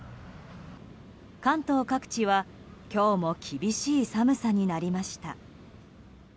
関東各地は今日も厳しい寒さになりました。